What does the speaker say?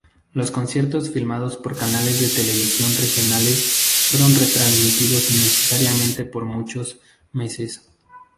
Los conciertos filmados por canales de televisión regionales, fueron retransmitidos incesantemente por muchos meses.